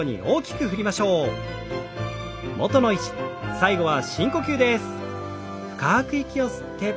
最後は深呼吸です。